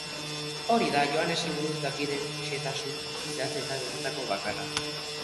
Hori da Johannesi buruz dakidan xehetasun zehatz eta benetako bakarra.